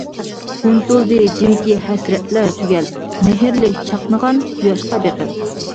ئۇنتۇلدى جىمكى ھەسرەتلەر تۈگەل، مېھىرلىك چاقنىغان قۇياشقا بېقىپ.